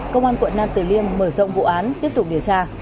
công an quận nam tử liêm mở rộng vụ án tiếp tục điều tra